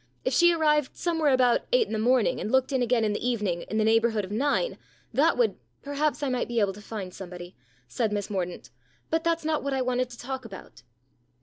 If she arrived somewhere about eight in the morning, and looked in again in the evening in the neighbourhood of nine, that would" " Perhaps I might be able to find somebody," said Miss Mordaunt. "But that's not what I wanted to talk about."